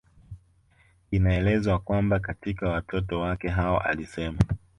Inaelezwa kwamba katika watoto wake hao alisema